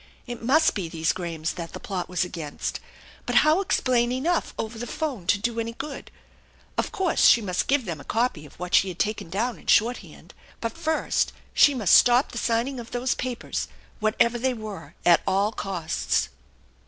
It must be these Grahams that the plot was against. But how explain enough over the phone to do any good ? Of course she must give them a copy of what she had taken down in short hand, but first she must stop the signing of those papers, what ever they were, at ill costs.